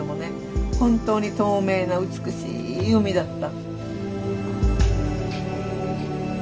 本当に透明な美しい海だった。